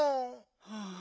はあ。